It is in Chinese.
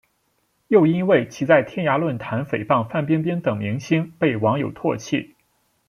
又因为其在天涯论坛诽谤范冰冰等明星被网友唾弃。